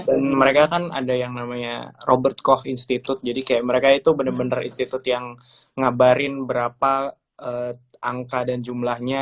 dan mereka kan ada yang namanya robert koch institute jadi kayak mereka itu bener bener institut yang ngabarin berapa angka dan jumlahnya